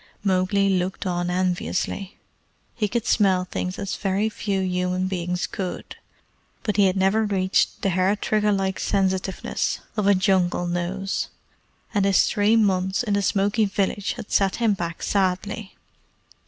Mowgli looked on enviously. He could smell things as very few human beings could, but he had never reached the hair trigger like sensitiveness of a Jungle nose; and his three months in the smoky village had set him back sadly.